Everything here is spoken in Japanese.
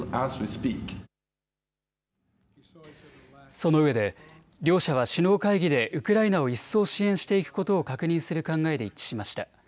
そのうえで両者は首脳会議でウクライナを一層支援していくことを確認する考えで一致しました。